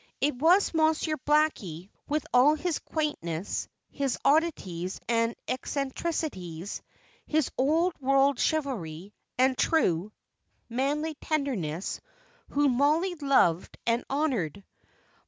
It was Monsieur Blackie, with all his quaintness, his oddities, and eccentricities, his old world chivalry, and true, manly tenderness, whom Mollie loved and honoured.